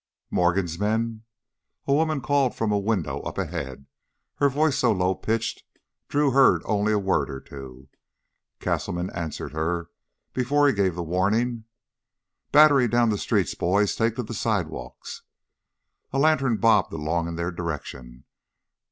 "... Morgan's men?" A woman called from a window up ahead, her voice so low pitched Drew heard only a word or two. Castleman answered her before he gave the warning: "Battery down the street, boys. Take to the sidewalks!" A lantern bobbed along in their direction.